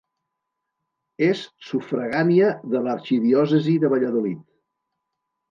És sufragània de l'arxidiòcesi de Valladolid.